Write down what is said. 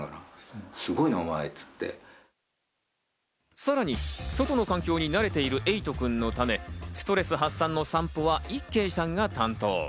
さらに、外の環境に慣れているエイトくんのため、ストレス発散の散歩は、いっけいさんが担当。